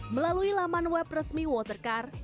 melalui laman web resmi watercar